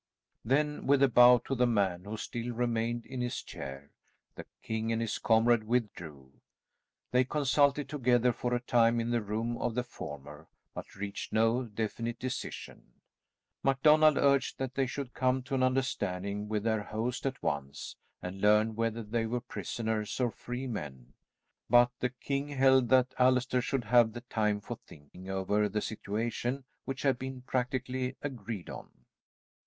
Then with a bow to the man who still remained in his chair, the king and his comrade withdrew. They consulted together for a time in the room of the former, but reached no definite decision. MacDonald urged that they should come to an understanding with their host at once, and learn whether they were prisoners or free men, but the king held that Allaster should have the time for thinking over the situation which had been practically agreed on.